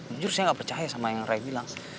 benjur saya nggak percaya sama yang raya bilang